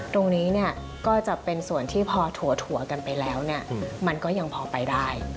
ตรงนี้เนี่ยก็จะเป็นส่วนที่พอถั่วกันไปแล้วเนี่ยมันก็ยังพอไปได้